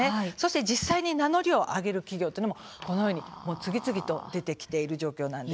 実際に名乗りを上げる企業というのもこのように次々と出てきている状況なんです。